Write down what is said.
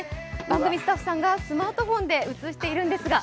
番組スタッフさんがスマートフォンで映しているんですが。